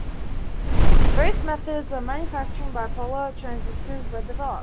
Various methods of manufacturing bipolar transistors were developed.